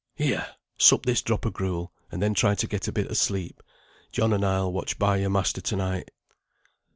"Here, sup this drop o' gruel, and then try and get a bit o' sleep. John and I'll watch by your master to night."